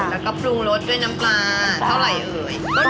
แล้วก็ปรุงรสด้วยน้ำปลาเท่าไหร่เอ่ย